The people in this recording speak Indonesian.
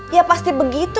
ya pasti begitu